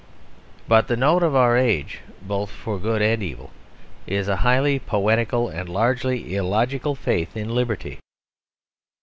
But the note of our age, both for good and evil, is a highly poetical and largely illogical faith in liberty.